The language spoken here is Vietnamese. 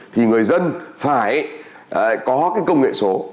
thì người dân phải có cái công nghệ số